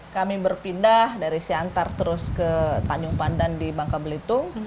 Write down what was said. kami berpindah dari siantar terus ke tanjung pandan di bangka belitung